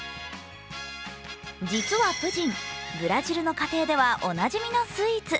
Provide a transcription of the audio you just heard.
実はプヂン、ブラジルの家庭ではおなじみのスイーツ。